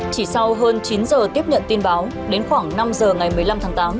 chỉ sau hơn chín giờ tiếp nhận tin báo đến khoảng năm giờ ngày một mươi năm tháng tám